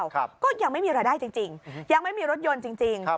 ก็ยังไม่มีรายได้จริงยังไม่มีรถยนต์จริง